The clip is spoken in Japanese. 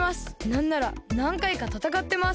なんならなんかいかたたかってます。